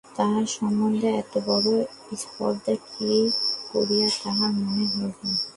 আমার সম্বন্ধে এতবড়ো স্পর্ধা কী করিয়া তাহার মনে হইল।